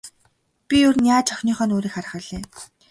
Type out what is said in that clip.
Би ер нь яаж охиныхоо нүүрийг харах билээ.